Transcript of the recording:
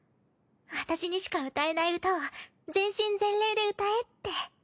私にしかうたえない歌を全身全霊でうたえって。